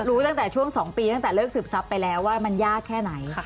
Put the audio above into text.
รู้ตั้งแต่ในช่วงสองปีตั้งแต่เลิกเสืบซับไปแล้วว่ามันยากแค่ไหน